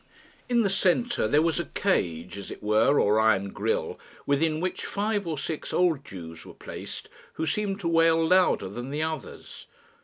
In the centre there was a cage, as it were, or iron grille, within which five or six old Jews were placed, who seemed to wail louder than the others.